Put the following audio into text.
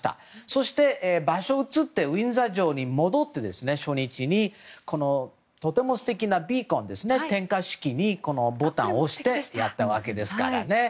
そして、場所移ってウィンザー城に戻って初日にとても素敵なビーコン点火式に、このボタンを押してやったわけですからね。